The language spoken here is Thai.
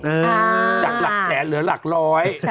อันนี้จากรักแสนหรือรักร้อย